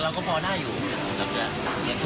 เราก็พอได้อยู่